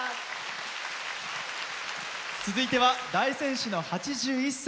続いては大仙市の８１歳。